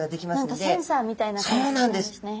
何かセンサーみたいな感じなんですね。